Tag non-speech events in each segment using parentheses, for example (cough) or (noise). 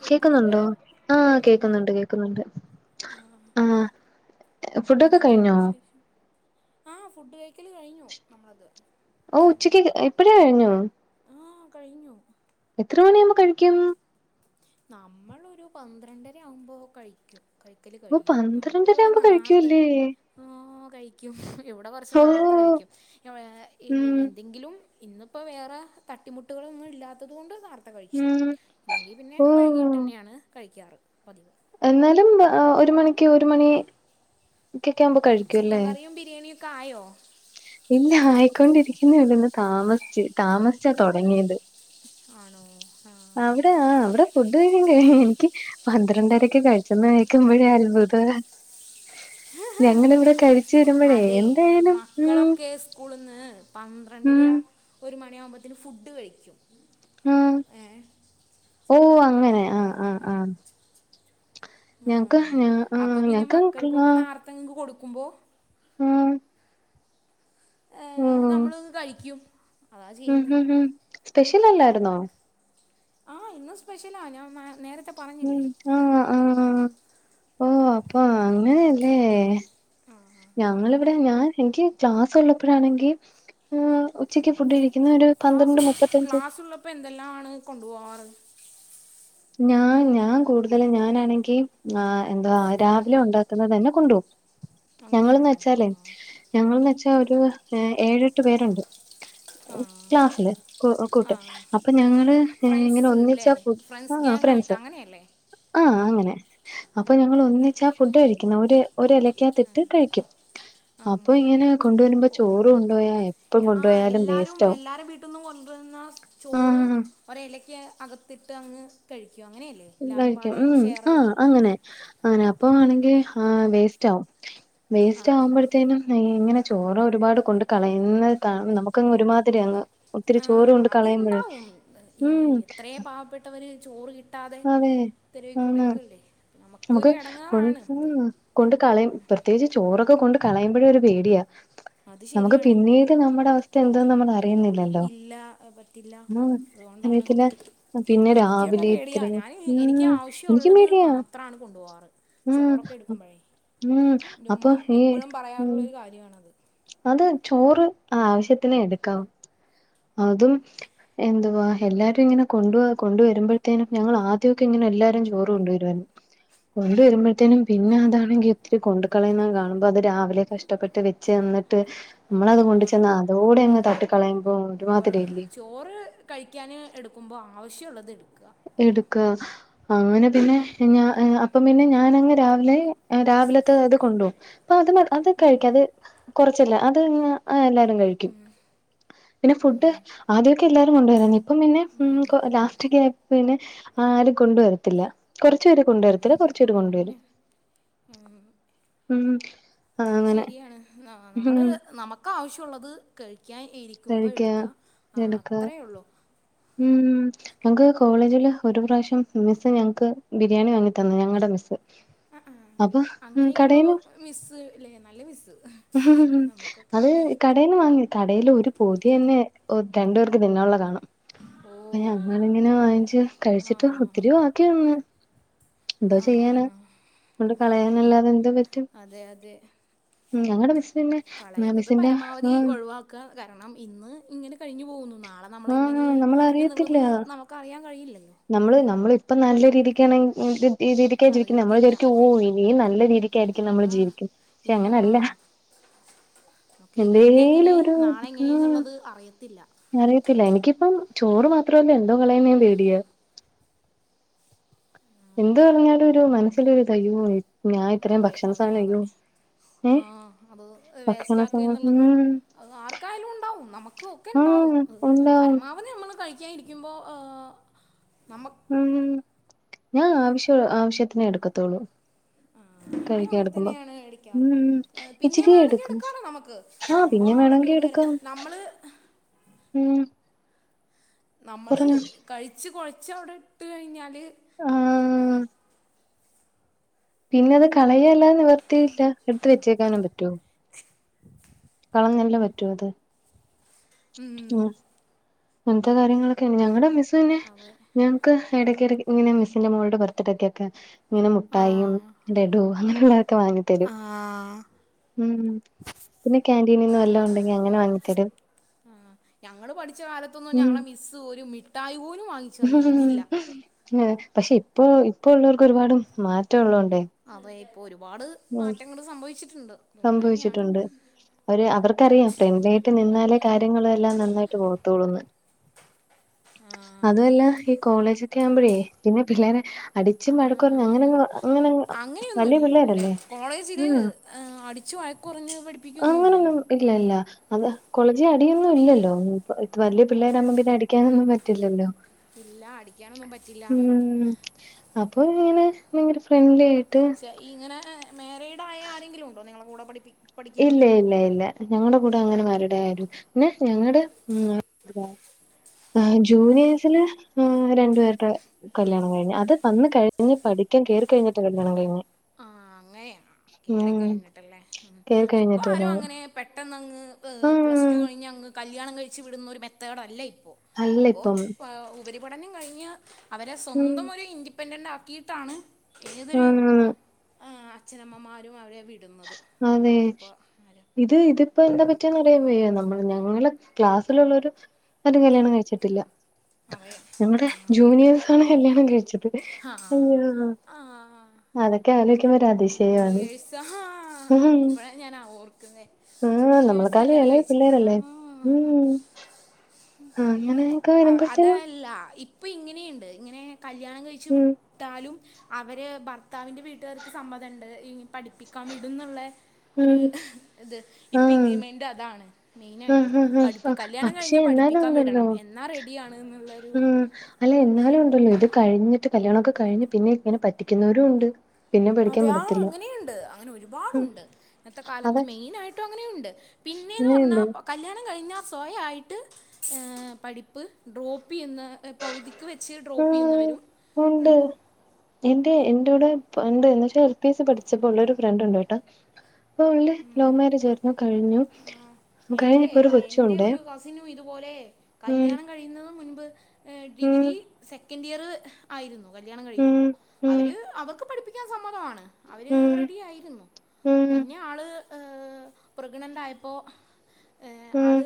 കേൾക്കുന്നില്ലേ കേക്കുന്നുണ്ടോ ആഹ് ആ ഉണ്ട് കേക്കുന്നുണ്ട് കേക്കുന്നുണ്ട് ആ ആഹ് ഫുഡ്ക്കെ കഴിഞ്ഞോ ആഹ് ഫുഡ് കഴിക്കല്കഴിഞ്ഞു നമ്മളത് ഓ ഉച്ചക്ക് ഇപ്പഴേകഴിഞ്ഞോ ആഹ് കഴിഞ്ഞു എത്ര മണിആകുമ്പ കഴിക്കും നമ്മളൊരു പന്ത്രണ്ടര ആകുമ്പോൾ കഴിക്കും കഴിക്കല് ഓ കഴിയും നമുക്ക് പന്ത്രണ്ടര ഇവിടെ ആവുമ്പോ നാർത്തെ കഴിക്കുവല്ലേ ആഹ് കഴിക്കും എവിടെ കൊറച്ച് ഓ നോർത്തെ കഴിക്കും ഉം എന്തെങ്കിലും ഇന്നിപ്പോൾ വേറെ തട്ടിമുട്ടുകളൊന്നും ഇല്ലാത്തത് കൊണ്ട് നേർ - - ത്തെ കഴിച്ചു ഉം ഇല്ലെങ്കിൽ പിന്നെ ഓ വഴുകിയിട്ട് തന്നെയാണ് കഴിക്കാറ് പതിവ് എന്നാലും ഒരു മണിക്ക് ഒരു മണി ക്കൊക്കെ ആവുമ്പോ കഴിക്കുംല്ലേ ബിരിയാണിയും കായോ ഇല്ല ആയിക്കൊണ്ടിരിക്കുന്നുള്ളു ഇന്ന് താമസിച്ച് താമസിച്ചാ തുടങ്ങിയത് ആണോ ആഹ് അവിടെ ആഹ് അവിടെ ഫുഡ് കഴിക്കാൻ കഴിയു എനിക്ക് പന്ത്രണ്ടരൊക്കെ കഴിച്ചന്ന് കേക്കുമ്പോഴേ അത്ഭുത ഞങ്ങളിവിടെ കഴിച്ചു വരുമ്പോഴേ അതെ എന്തായാലും ഉം മക്കളൊക്കെ സ്കൂളിൽന്ന് പന്ത്രണ്ടര ഉം ഒരു മണിയാകുമ്പോഴത്തേക്കും ഫുഡ് കഴിക്കും ആഹ് ഏ ഹ് ഓ അങ്ങനെ ആഹ് ആഹ് ഞക്ക് ആഹ് ഞക്ക്ട്ട തെങ്ങ് കൊടുക്കുമ്പോൾ ആഹ് ഏഹ് നമ്മളത് കഴിക്കും അതാ ഉം ചെയ്യുന്നത് ഉം ഉം സ്പെഷ്യൽ അല്ലായിരുന്നോ ആഹ് ഇന്നും സ്പെഷ്യലാ ഞാൻ നേര ഉം ആഹ് ആഹ് ഓ അപ്പ അങ്ങനെ (unintelligible) ഞങ്ങളിവിടെ ഞാൻ എനിക്ക് ക്ലാസ് ഉള്ളപ്പോഴാണെങ്കിൽ ഉം ഉച്ചയ്ക്ക് ഫുഡ് കഴിക്കുന്ന ഒരു പന്ത്രണ്ട് മുപ്പത്തഞ്ച് അപ്പൊ എന്തെല്ലാമാണ് കൊണ്ടു പോകാറ് ഞാൻ ഞാൻ കൂടുതല് ഞാനാണെങ്കി ആഹ് എന്താ രാവിലെ ഉണ്ടാക്കുന്നത് തന്നെ കൊണ്ടുപോകും ഞങ്ങളെന്ന് അങ്ങനെയാണോ ആ വെച്ചാലേ ഞങ്ങളെന്ന് വെച്ചാ ഒരുഏഴെട്ട് പേരുണ്ട് ആ ക്ലാസില് ആ കൂട്ട് അപ്പൊ ഞങ്ങള് ഇങ്ങനെ ഫ്രണ്ട്സ് അല്ലേ ഒന്നിച്ചാ ഫു ഫ്രണ്ട്സ് ആഹ് ഗ്യാങ് ആയിട്ട് ഫ്രണ്ട്സ് അങ്ങനെയല്ലേ ആഹ് അങ്ങനെ അപ്പൊ ഞങ്ങൾ ഒന്നിച്ചാ ഫുഡ് കഴിക്കുന്നെ ഒരു ഒരു ഇല ക്കാത്തിട്ട് കഴിക്കും അപ്പൊ ആഹ് ഇങ്ങനെ കൊണ്ടുവരുമ്പോ ഓ ചോറ് കൊണ്ടുപോയാ എപ്പം ആഹ് കൊണ്ടുപോയാലും എല്ലാരും വേസ്റ്റ് ആകും എല്ലാരെ വീട്ടിന്നും കൊണ്ടുവരുന്ന ചോറ് ഒരു ഇലക്ക് അകത്തിട്ട് അങ്ങ് കഴിക്കും അങ്ങനെയല്ലേ എല്ലാരും കഴിക്കും പാടെ ഉം ഷെയർ ആഹ് ചെയ്ത് അങ്ങനെ അങ്ങനെ അപ്പ ആണെങ്കിൽ ആഹ് വേസ്റ്റ് ആകും വേസ്റ്റ് ആഹ് ആകുമ്പോഴ് ത്തേനും ഇങ്ങനെ ചോറ് ഒരുപാട് കൊണ്ട് കളയുന്നത് (unintelligible) നമ്മുക്കങ്ങ് ഒരുമാതിരി അങ്ങ് ഒത്തിരി ചോറ് ആഹ് കൊണ്ട് കളയുമ്പഴേ അത്ണ്ടാവും ഈ ഉം എത്രയോ പാവപ്പെട്ടവര് ചോറ് കി കിട്ടാതെ അതെ ആന്ന് തെരുവിക്കൂടിക്കല്ലേ നമ്മുക്കൊരു നമുക്ക് കൊ എടങ്ങേറാണ് ഇത് കൊണ്ട് കളയും പ്രത്യേകിച്ച് ചോറൊക്കെ കൊണ്ട് കളയുമ്പഴേ ഒരു പേടിയാ അത് നമ്മുക്ക് ശരിയാണ് പിന്നീട് നമ്മടെ അവസ്ഥ എന്താന്ന് നമ്മളറി ഇല്ല പറ്റില്ല അതുകൊണ്ടാണ് അറിയത്തില്ല പിന്നെ എനിക്കൊക്കെ രാവിലെ പേടിയായി ഇത്രയും ഞാന് എനിക്ക് ഉം ആവശ്യ എനിക്കും ഉള്ളത് പേടിയാ മാത്രാണ് കൊണ്ടു പോവാറ് ഉം ചോറൊക്കെ എടുക്കുമ്പഴേ ഉം ന്റെ അപ്പൊ ഉമ്മ ഈ എപ്പഴും പറയാറുള്ള ഉം ഒരു കാര്യാണ് അത് അത് ചോറ് ആവശ്യത്തിനെ എടുക്കാവു അതും എന്തുവാ എല്ലാരും ഇങ്ങനെ കൊണ്ടുവ കൊണ്ടുവരുമ്പഴ്ത്തേനും ഞങ്ങൾ ആദ്യ ഒക്കെ ഇങ്ങനെ എല്ലാരും ചോറ് കൊണ്ടുവരുവായിരുന്ന് കൊണ്ട് വരുമ്പഴ്ത്തേനും പിന്നെ അതാണങ്കി ഒത്തിരി കൊണ്ട് കളയുന്നത് കാണുമ്പം അത് രാവിലെ കഷ്ടപ്പെട്ട് വെച്ച്തന്നിട്ട് ആ നമ്മളത് കൊണ്ട് ചെന്ന് അതോടെ അങ്ങ് അതെ തട്ടി കളയുമ്പോ ഇപ്പോഴും ഒരുമാതിരി അല്ലേ ചോറ് കഴിക്കാന് എടുക്കുമ്പം ആവശ്യ ഉള്ളത് എടുക്കാ എടുക്കാ അങ്ങനെ പിന്നെ ഞാ അപ്പം പിന്നെ ഞാനങ്ങ് രാവിലെ രാവിലത്തെ അത് കൊണ്ട് പോവും അപ്പം (unintelligible) അത് കഴിക്കാതെ കൊറച്ചല്ലേ അത് അങ്ങ് അത് എല്ലാരും കഴിക്കും പിന്നെ ഫുഡ് ആദ്യൊക്കെ എല്ലാരും കൊണ്ടുവരുവാര്ന്ന് ഇപ്പം പിന്നെ ഉം ലാസ്റ്റൊക്കെ ആയി പിന്നെ ആരും കൊണ്ടുവരുത്തില്ല കൊറച്ച്പേര് കൊണ്ടുവരത്തില്ല കൊറച്ച്പേര് കൊണ്ടുവരും ഉം ഉം ആഹ് അത് അങ്ങനെ ശരിയാണ് ആഹ് ഉം നമ്മള് നമ നമ്മുക്കാവശ്യഉള്ളത് കഴിക്കാൻ ഇരിക്കുമ്പം കഴിക്കാ എടുക്ക ആഹ് എടുക്ക അത്രയേ ഉള്ളു ഉം ഞങ്ങക്ക് കോളേജില് ഒരു പ്രാവശ്യം മിസ്സ് ഞങ്ങക്ക് ബിരിയാണി വാങ്ങി തന്ന് ഞങ്ങടെ മിസ്സ് ആഹ് അപ്പൊ അങ്ങനെയൊക്കെ ഉള്ളോ കടേന്ന് മിസ്സ് ഇല്ലേ നല്ല മിസ്സ് നമുക്കൊക്കെ അത് കടേന്ന് വാങ്ങി കടേല് ഒരു പൊതി തന്നെ രണ്ടു പേർക്ക് തിന്നാ ഉള്ള കാണും ഓഹ് അപ്പൊ ഞങ്ങളിങ്ങനെ വാങ്ങിച്ച് കഴിച്ചിട്ട് ഒത്തിരി വാക്കി വന്ന് എന്തോ ആ ചെയ്യാനാ? കൊണ്ട് ആ കളയാനല്ലാതെ എന്തോ പറ്റും അതെ അതെ ഞങ്ങടെ മിസ് പിന്നെ കളയുന്നത് മിസ്സിന്റെ പരമാവധി ഉം ഒഴിവാ ക്കാ കരണം ഇന്ന് ഇങ്ങനെ കഴിഞ്ഞു പോകുന്നു നാളെ ആഹ് നമ്മളെങ്ങനെ നമ്മളറിയത്തില്ല എന്നുള്ളത് നമക്കറിയാ കഴിയില്ലല്ലോ? നമ്മള് നമ്മളിപ്പം നല്ല രീതിക്കാണെങ്കി എങ്കില് ഈ രീതിക്കാ ജീവിക്ക്ന്നെ നമ്മള് നമുക്കറിയത്തില്ല വിജാരിക്കും ഓ ഇനിയും നല്ല രീതിക്കായിരിക്കും നമ്മള് ആ ജീവിക്കുന്നെ പക്ഷെ ഇനിയോ അങ്ങനല്ല ആ നമുക്ക് ഇന്നെങ്ങനെ എന്തേലൊരു നാളെ എങ്ങനെ ആഹ് എന്നുള്ളത് അറിയത്തില്ല അറിയത്തില്ല എനിക്കിപ്പം ചോറ് മാത്രംല്ല എന്തോ കളയുന്നേം പേടിയാ എന്ത് പറഞ്ഞാലൊരു മനസ്സിലൊരുയിതാ അയ്യോ ഞാൻ ഇത്രയും അതെ ഭക്ഷണ അതെ സാധനം അതെ അയ്യോ ആ ഏഹ് അത് ഭക്ഷണ സാധനം വേസ്റ്റാക്കിയെന്നുള്ളത് ഉം അത് ആർക്കായാലുണ്ടാവും നമുക്കും ഒക്കെയുണ്ടാവും ആഹ് ഉണ്ടാവും പരമാവ ധി നമ്മള് കഴിക്കായിരിക്കുമ്പോ ആഹ് നമ്മ ഉം ഞാ ആവശ്യ ആവശ്യത്തിനെ എടുക്കത്തൊള്ളു ആഹ് ഞാനും അങ്ങനെ കഴിക്കായെടുക്കുമ്പം തന്നെയാണ് മേടിക്കാറ് ഉം പിന്നെയും ഇച്ചിരിയെ വേണമെങ്കിൽ എടുക്കൂ എടുക്കാലോ നമുക്ക് ആഹ് പിന്നെ സംഭവം അവിടെ കേടുവരാ വേണോങ്കിയെടുക്കാം നമ്മള് ഉം നമ്മള് പറഞ്ഞോ കഴിച്ച് കൊഴച്ച് അവിടെയിട്ട് കഴിഞ്ഞാല് ആഹ് പിന്നെ അത് കളയല്ലാതെ നിവർത്തിയില്ല എടുത്ത് വെച്ചേക്കാനും പറ്റുവോ? കളഞ്ഞല്ലേ പറ്റു അത് ഉം അങ്ങൻത്തെ കാര്യങ്ങളൊക്കെയങ്ങനെയാ ഞങ്ങടെ മിസ്സ് പിന്നെ അതെ ഞ ക് എടക്കെടക്ക് ഇങ്ങനെ മിസ്സിന്റെ മോൾടെ ബെർത്ത്ഡെക്കെക്കെ ഇങ്ങനെ മുട്ടായിയും, ആഹ് ലഡും, അങ്ങനെയുള്ളതൊക്കെ വാങ്ങിത്തരും ആഹ് ഉം പിന്നെ കാന്റീനീന്ന് വല്ലോം ഒണ്ടെങ്കി അങ്ങനെ വാങ്ങി തരും ആ ഞങ്ങള് പഠിച്ച കാലത്തൊന്നും ഞങ്ങളെ മിസ്സ് ഒരു മിഠായി പോലും വാങ്ങി ത ഉം ആഹ് പക്ഷെ ഇപ്പോ ഇപ്പൊള്ളവർക്ക് ഒരുപാട് മാറ്റവുള്ളോണ്ടെ അതെ ഇപ്പൊ ഒരുപാട് മാറ്റങ്ങള് സംഭവിച്ചിട്ടുണ്ട് അതുകൊണ്ട് തന്നെയാണ് സംഭവിച്ചിട്ടുണ്ട് അവര് അവർക്കറിയാം ഫ്രണ്ട്ലിയായിട്ട് ടീച്ചർമാരൊക്കെ നിന്നാലേ കാര്യങ്ങളെല്ലാം നന്നായിട്ട് പോവ ള്ളുന്ന് ആഹ് അതുവല്ല ഈ കോളേജൊക്കെയാവുമ്പഴേ പിന്നെ പിള്ളേരെ അടിച്ചും, വഴക്കു പറഞ്ഞും അങ്ങനങ്ങ് അങ്ങനങ്ങ് വലിയ അങ്ങനെയൊന്നുംല്ലല്ലോ ല്ലേ? പിള്ളേരല്ലേ കോളേജില് ആഹ് ഏഹ് അടിച്ചു വഴക്കുറഞ്ഞ് അങ്ങനൊന്നും പഠിപ്പിക്കുവൊന്നുയില്ലല്ലോ? ഇല്ല ല്ല അത് കോളേജി അടിയൊന്നുംയില്ലല്ലോ വല്ല്യ പിള്ളേരാവുമ്പം പിന്നെ അടി ക്കാനൊന്നും പറ്റില്ലല്ലോ? ഇല്ല അടിക്കാനൊന്നും പറ്റില്ല ഉം അപ്പയിങ്ങനെ ഭയങ്കര ഫ്രണ്ട്ലിയായിട്ട് ഇങ്ങനെ മേരീഡായ ആരെങ്കിലുമുണ്ടോ നിങ്ങളെ കൂടെ പഠി ഇല്ല ഇല്ല ഇല്ല ഞങ്ങളടെ കൂടെ അങ്ങനെ മാരീഡായ ആരുല്ല പിന്നെ ഞങ്ങടെ ഉം ആ ജൂനിയേഴ്സില് രണ്ടു പേര്ടെ കല്യാണം കഴിഞ് അത് വന്ന് കഴിഞ്ഞ് പഠിക്കാൻ കേറി കഴിഞ്ഞിട്ട് കല്യാണം കഴിഞ്ഞെ ആന് അങ്ങനെയാന്നോ കേറി കഴിഞ്ഞിട്ടല്ലേ? ഉം കേറി ഇപ്പ കഴിഞ്ഞിട്ട് ആരും കല്യാണം അങ്ങനെ പെട്ടെന്നങ്ങ് പ്ലസ് ടു ആഹ് കഴിഞ്ഞങ്ങ് കല്യാണം കഴിച്ച് വിടുന്നൊരു മെത്തേഡല്ലയിപ്പോ അല്ല ഇപ്പോ ഇപ്പം ഉപരിപഠനം കഴിഞ്ഞ് അവരെ ഉം സ്വന്തം ഒരു ഇൻഡിപെൻഡന്റാക്കിയിട്ടാണ് ആന്നാന്ന് അച്ഛനമ്മമാരും അവരെ വിടുന്നത് ഉമ്മ, അതെ ഉപ്പ ആരും ഇത് ഇതിപ്പോ എന്താ പറ്റിയെന്ന് അറിയാൻ വയ്യ നമ്മള് ഞങ്ങള് ക്ലാസ്സിലുള്ളൊരു ആരും കല്യാണം കഴിച്ചിട്ടില്ല അവയെ ഞങ്ങടെ ജൂനിയേഴസ് ആണ് കല്യാണം കഴിച്ചത്. ഹ അയ്യോ ആഹ്. അതൊക്കെ ആലോയി ജൂനിയഴസ് ഹാ ആ ഇപ്പഴ ഞാൻ ആ ഓർക്കുന്നേ ആഹ് ജൂനിയേഴസ് നമ്മളെക്കാളും കല്യാണം എളയ കഴിച്ചിക്കെ പിള്ളേരല്ലേ ആഹ്. അങ്ങനെ അ അതല്ല ഇപ്പൊ ഇങ്ങനെ ഇണ്ട് ഇങ്ങനെ കല്യാണം കഴിച്ചു വി ഉം ട്ടാലും അവര് ഭർത്താവിന്റെ വീട്ടുകാർക്ക് സമ്മതിണ്ട്, ഇ പഠിപ്പിക്കാൻ വിടും ന്നുള്ളെ ഒരു ഉം ഇത് ഇപ്പൊ ആഹ് ഇഗ്രിമെന്റ് അതാണ്. മെയിൻ ആയിട്ടും ആഹ് ആഹ് പഠിപ്പി ആഹ് കല്യാണം പക്ഷെ കഴിഞ്ഞ എന്നാലും പഠിപ്പിക്കാൻ വിടണം. ഉണ്ടല്ലോ എന്നാ റെഡിയാണ് എന്നുള്ളരു ഉം അല്ല സി എന്നാലും ഉണ്ടല്ലോ ഇതാണ്. ഇത് കഴിഞ്ഞിട്ട് കല്യാണം ഒക്കെ കഴിഞ്ഞ് പിന്നെ ഇങ്ങനെ പറ്റിക്കുന്നവരും ഉണ്ട്. പിന്നെ പേടിക്കാൻ അതെ ആഹ് വിടത്തില്ല അങ്ങനെയുണ്ട് അങ്ങനെ ഉം ഒരുപാടുണ്ട്. ഇന്നത്തെ കാലത്ത് അതെ മെയിൻ ആയിട്ടും അങ്ങനെയുണ്ട് പിന്നേന്ന് പറഞ്ഞാ ഇങ്ങനെയുണ്ട് പ കല്ല്യാണം കഴിഞ്ഞാ സ്വയായിട്ട് പഠിപ്പ് ഡ്രോപ്പ് ചെയ്യുന്ന പൗതിക്ക് വെച്ച് ഡ്രോപ്പ് ചെയ്യുന്നവരും ഉണ്ട്. എന്തെ എന്റൗട് പ ഇണ്ട് എന്നേച്ച എൽ പി എസി‌ പഠിച്ചപ്പോ ഉള്ള ഒരു ഫ്രണ്ട് ഉണ്ട് ട്ടോ. ഇപ്പൊ ഉള്ള ലോവ് മാരേജ് ആയിരുന്നു കഴിഞ്ഞു. എന്റെ കഴിഞ്ഞിപ്പോ ഒരു എന്റെ കൊച്ചുണ്ടേ ഒരു കസിനും ഇതുപോലെ ഉം കല്യാണം കഴിയുന്നതും മുൻപ് ഏഹ് ഹലോ ഡിഗ്രി സെക്കൻഡ് ഇയർ ആയിരുന്നു കല്ല്യാണം കഴിക്കുമ്പോ അവര് അവക്ക് പഠിപ്പിക്ക ക്കാൻ സമ്മതമാണ് അവര് റെഡി ആയിരുന്നു പിന്നെ ഏഹ് പ്രഗ്നണന്റ് ആയപ്പോ ആള്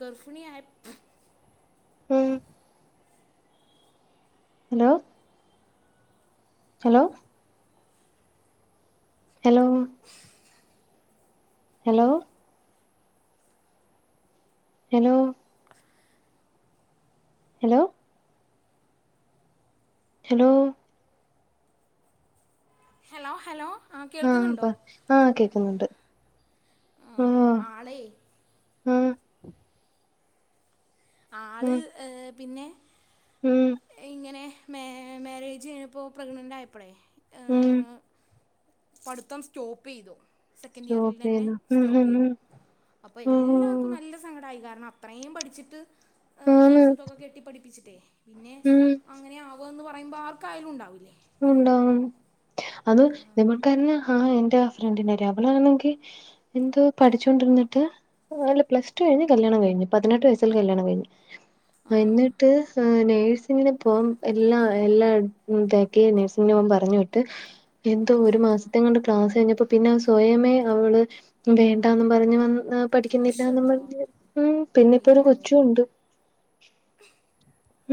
കർഫിണി ആയപ്പ് ഉം. Hello. Hello. Hello. Hello. Hello. ഫ ഹലോ. ഹലോ. Hello hello. ആഹ് കേൾക്കുന്നുണ്ടോ പ ആഹ് കേക്കുന്നുണ്ട് ആഹ് ആളെ ഉം. ആള് ഉം ഏഹ് പിന്നെ ഉം. ഇങ്ങനെ മേ മാരേജ് കഴിഞ്ഞപ്പോ പ്രഗ്നന്റ് ആയപ്പോളേ ഉം പഠിത്തം സ്റ്റോപ്പെയ്തു. സെക്കൻഡ് ഇയറിൽ സ്റ്റോപ്പ് തന്നെ ചെയ്തു ഉം ഉം സ്റ്റോപ്പെയ്തു ഉം അപ്പൊ എല്ലാർക്കും ഓഹ് നല്ല സങ്കടായി കാരണം അത്രയും പഠിച്ചിട്ട് ആന്ന് ഫീസ് ഇതൊക്കെ കെട്ടി പഠിപ്പിച്ചിട്ടേ പിന്നെ ഉം അങ്ങനെ ആവുവെന്ന് എന്ന് പറയുമ്പോ ആർക്കായാലും ഉണ്ടാവില്ലേ? ഉണ്ടാവും അത് നിങ്ങൾക്കാരുന്നെ ഹാ എന്റെ ആ ഫ്രണ്ടിന്റെ കാര്യം അവക്ക് ആണെങ്കി എന്തോ പഠിച്ചോണ്ടിരുന്നിട്ട് അല്ല പ്ലസ് ടു കഴിഞ്ഞ് കല്ല്യാണം കഴിഞ്ഞു. പതിനെട്ട് വയസ്സിൽ കല്ല്യാണം കഴിഞ്ഞു. ആ ആഹ് എന്നിട്ട് ഈഹ് നേഴ്സിങ്ങിന് പോവാൻ എല്ലാം എല്ലാം ഇത ക്ക് നഴ്സിങ്ങിന് പോവാൻ പറഞ്ഞു വിട്ട്. എന്തോ ഒരു ആ മാസത്തെ കൊണ്ട് ക്ലാസ് കഴിഞ്ഞപ്പോ പിന്നെ സ്വയമേ അവള് വേണ്ടാന്നും പറഞ്ഞ് വന്ന് ഈഹ് പഠിക്കുന്നില്ലാന്നും അശ്വടാ പറഞ്ഞ് മ്മ്. പിന്നെ ഇപ്പോ ഒരു അയ്യോ കൊച്ചും ഉണ്ട്.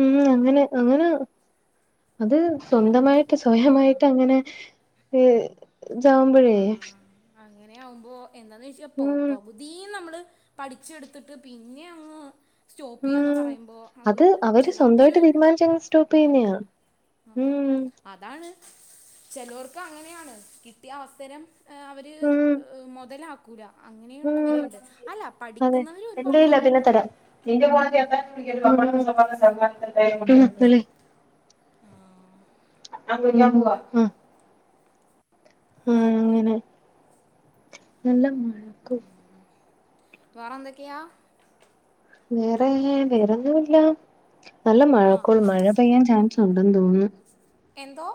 ഉം അങ്ങനെ അങ്ങനെ, അത് സ്വന്തമായിട്ട് ആ ആ സ്വയമായിട്ട് അങ്ങനെ ഈഹ് ഇതാകുമ്പ ആഹ് അങ്ങനെയാവുമ്പോ എന്താന്ന് വെച്ചാ പ ഉം പകുതിയും നമ്മള് പഠിച്ചെടുത്തിട്ട് പിന്നെ അങ്ങ് ഉം സ്റ്റോപ്പെയ്യാന്ന് പറയുമ്പോ അത് അവര് വല്ലാത്തൊരു സ്വന്തമായിട്ട് തീരുമാനിച്ചങ്ങ് സ്റ്റോപ്പ് ഇത് ചെയ്യുന്നയാ തന്നെയാണ്. അഹ് ആഹ് ഉം അതാണ്. ചെലോർക്ക് അങ്ങനെയാണ് കിട്ടിയ അവസരം ഈഹ് അവര് ഉം മുതലാക് ക്കൂല. ഉം അങ്ങനെയുള്ളവരുണ്ട്. അല്ല പഠിക്കുന്നവര് ഒരുപാടുണ്ട് കേട്ടോ. ഇന്റെ മോനെ ചേർത്താനും (unintelligible) ആഹ് (unintelligible) പൂവാ. ആഹ്. ആഹ് അങ്ങനെ. നല്ല മഴ. ആഹ് വേറെന്തൊക്കെയാ? വേറെ വേറൊന്നു ഇല്ല. നല്ല മഴക്കോള്. ആഹ് മഴ പെയ്യാൻ ചാൻസ് ഉണ്ടെന്ന് തോന്നുന്നു. എന്തോ?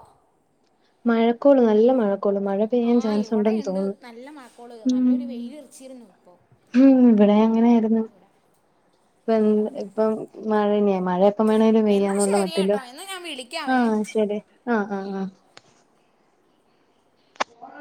മഴക്കോള് നല്ല മഴക്കോള്. മഴ പെയ്യാൻ ആഹ് ചാൻസ് ഉണ്ടെന്ന് ഇവിടെയിണ്ട് തോന്നുന്നു നല്ല മഴക്കോള്. നല്ലൊരു വെയിലറച്ചിരുന്നു ഇപ്പൊ. ഹ്മ്മ് ഇവിടെയും അങ്ങനെയായിരുന്നു. ഇപ്പെന്ത് ഉം ഇപ്പം മഴന്നെയാ. മഴ എപ്പം വേണമെങ്കിലും എന്നാ പെയ്യാന്നുള്ള ശരി മട്ടില് കേട്ടോ എന്നാ ഞാൻ വിളിക്കാവേ ആഹ് ശരി ആഹ് ആഹ് ആഹ്. ആ